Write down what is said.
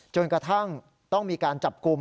จนกระทั่งต้องมีการจับกลุ่ม